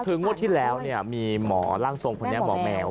คืองวดที่แล้วมีร่างทรงคนนี้หมอแมว